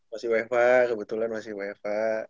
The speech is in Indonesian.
masih wfh kebetulan masih wfh